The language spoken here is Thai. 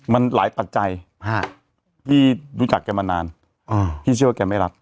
มันหลายปัจจัยพี่รู้จักแกมานานพี่เชื่อว่าแกไม่รับ